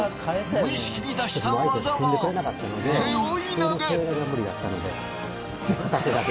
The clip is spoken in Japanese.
無意識に出した技は背負投。